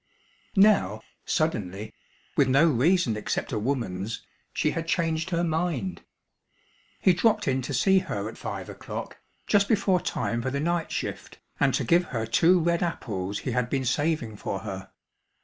Now, suddenly, with no reason except a woman's, she had changed her mind. He dropped in to see her at five o'clock, just before time for the night shift, and to give her two red apples he had been saving for her.